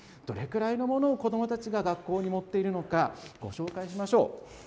どれくらいの物を子どもたちが学校に持っていくのか、ご紹介しましょう。